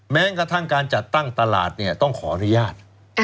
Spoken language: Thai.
แม้กระทั่งการจัดตั้งตลาดเนี่ยต้องขออนุญาต